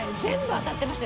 当たってました？